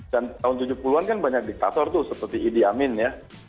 dan tahun tujuh puluh an kan banyak diktator tuh seperti idi amin ya